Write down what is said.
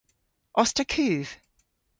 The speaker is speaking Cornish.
Os ta kuv?